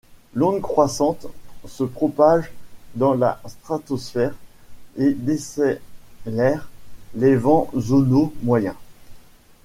L'onde croissante se propage dans la stratosphère et décélère les vents zonaux moyens.